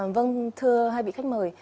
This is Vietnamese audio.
vâng thưa hai vị khách mời